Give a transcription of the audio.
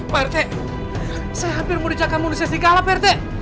pak rt saya hampir mau dicakar manusia serigala pak rt